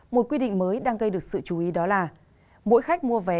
một quy định mới đang gây được sự chú ý đó là mỗi khách mua vé